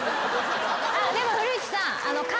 でも古市さん。